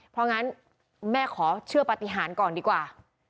เพราะงั้นแม่ขอเชื่อปฏิหารก่อนดีกว่า